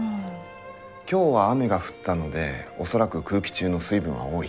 今日は雨が降ったので恐らく空気中の水分は多い。